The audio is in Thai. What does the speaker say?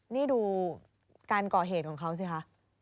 นี่ดูการก่อเหตุของเขาสิคะ